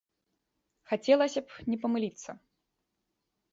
Хацелася б не памыліцца.